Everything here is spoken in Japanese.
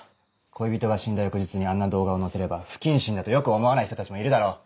恋人が死んだ翌日にあんな動画をのせれば不謹慎だと良く思わない人たちもいるだろう。